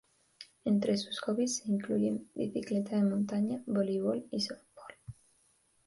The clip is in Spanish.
Entre sus hobbies se incluyen bicicleta de montaña, voleibol, y softbol.